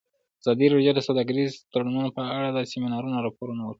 ازادي راډیو د سوداګریز تړونونه په اړه د سیمینارونو راپورونه ورکړي.